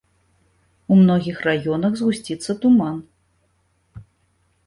У многіх раёнах згусціцца туман.